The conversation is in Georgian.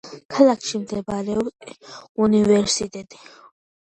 ქალაქში მდებარეობს უნივერსიტეტი.